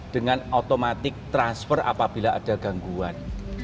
dengan automatik transfer apabila ada gangguan